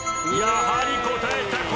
やはり答えた！